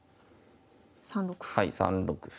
３六歩。